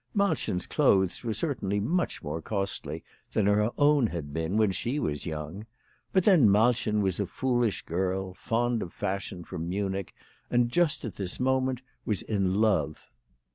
Malchen's clothes were certainly much more costly than her own had been, when she was young; but then Malchen was a foolish girl, fond of fashion from Munich, and just at this moment was in love.